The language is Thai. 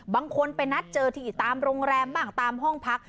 บางคนไปนัดเจอที่ตามโรงแรมบ้างตามห้องพัก